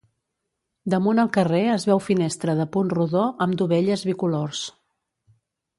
Damunt el carrer es veu finestra de punt rodó amb dovelles bicolors.